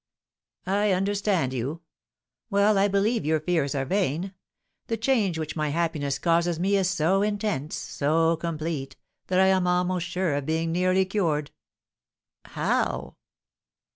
"I understand you. Well, I believe your fears are vain. The change which my happiness causes me is so intense, so complete, that I am almost sure of being nearly cured." "How?"